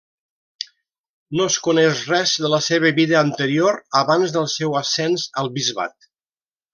No es coneix res de la seva vida anterior abans del seu ascens al bisbat.